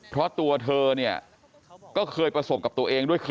เพราะตัวเธอเนี่ยก็เคยประสบกับตัวเองด้วย